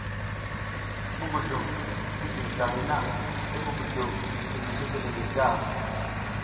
Muguzlum ngi gizigahay na i muguzlum mi fine mekelemey gar.